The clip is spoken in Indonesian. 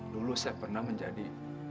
dulu saya pernah menjadi